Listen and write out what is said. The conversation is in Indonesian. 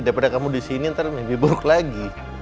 daripada kamu disini ntar mimpi buruk lagi